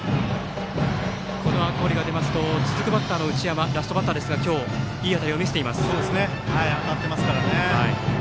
この赤堀が出ますと続くバッターの内山ラストバッターですが今日、いい当たりを見せています。